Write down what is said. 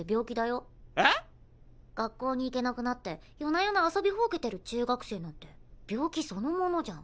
学校に行けなくなって夜な夜な遊びほうけてる中学生なんて病気そのものじゃん。